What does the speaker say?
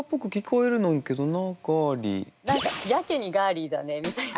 「やけにガーリーだね」みたいな。